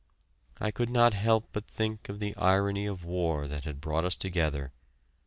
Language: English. I could not help but think of the irony of war that had brought us together.